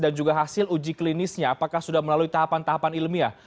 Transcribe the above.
dan juga hasil uji klinisnya apakah sudah melalui tahapan tahapan ilmiah